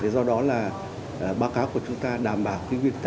do đó là báo cáo của chúng ta đảm bảo